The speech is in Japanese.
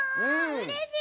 うれしい！